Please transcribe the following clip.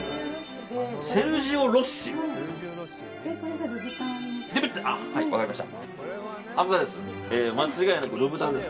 セルジオロッシで。